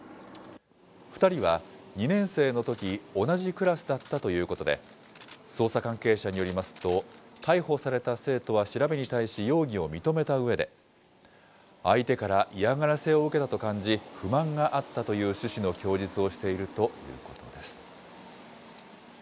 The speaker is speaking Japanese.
２人は２年生のとき、同じクラスだったということで、捜査関係者によりますと、逮捕された生徒は調べに対し容疑を認めたうえで、相手から嫌がらせを受けたと感じ、不満があったという趣旨の供述をしているということです。